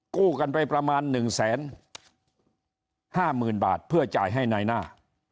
กู้กันไปประมาณ๑๕๐๐๐บาทเพื่อจ่ายให้นายหน้า